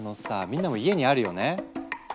みんなも家にあるよね？